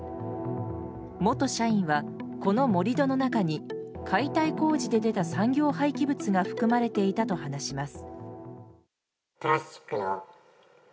元社員は、この盛り土の中に解体工事で出た産業廃棄物が含まれていたと話します。